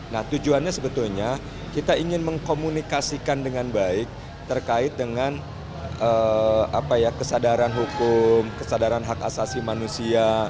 nah tujuannya sebetulnya kita ingin mengkomunikasikan dengan baik terkait dengan kesadaran hukum kesadaran hak asasi manusia